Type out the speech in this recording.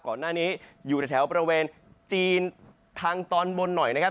ก่อนหน้านี้อยู่ในแถวบริเวณจีนทางตอนบนหน่อยนะครับ